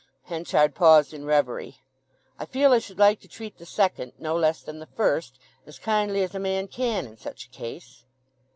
Henchard paused in reverie. "I feel I should like to treat the second, no less than the first, as kindly as a man can in such a case."